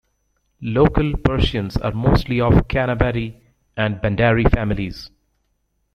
Local Persians are mostly of Qanavati and Bandari families.